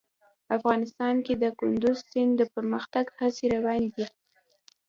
افغانستان کې د کندز سیند د پرمختګ هڅې روانې دي.